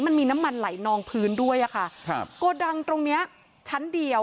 มันมีน้ำมันไหลนองพื้นด้วยอ่ะค่ะครับโกดังตรงเนี้ยชั้นเดียว